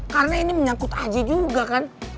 karena ini menyangkut aja juga kan